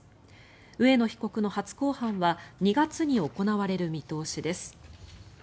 植野被告の初公判は２月に行われる見通しです。